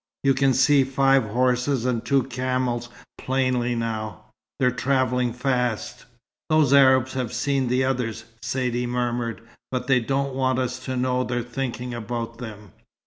"You can see five horses and two camels plainly now. They're travelling fast." "Those Arabs have seen the others," Saidee murmured. "But they don't want us to know they're thinking about them."